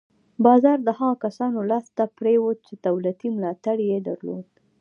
بازار د هغو کسانو لاس ته پرېوت چې دولتي ملاتړ یې درلود.